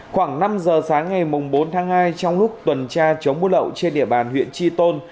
khoảng năm giờ sáng ngày bốn tháng hai trong lúc tuần tra chống buôn lậu trên địa bàn huyện tri tôn